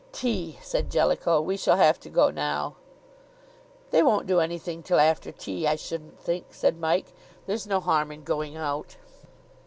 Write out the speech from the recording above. "Tea," said Jellicoe; "we shall have to go now." "They won't do anything till after tea, I shouldn't think," said Mike. "There's no harm in going out."